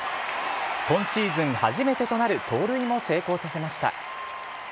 今シーズン初めてとなる盗塁も成功させました。